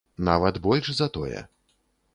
Нават больш за тое.